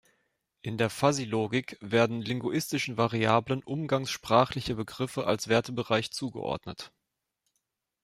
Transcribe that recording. In der Fuzzy-Logik werden linguistischen Variablen umgangssprachliche Begriffe als Wertebereich zugeordnet.